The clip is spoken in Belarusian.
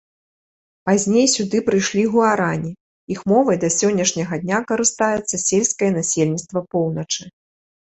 Пазней сюды прыйшлі гуарані, іх мовай да сённяшняга дня карыстаецца сельскае насельніцтва поўначы.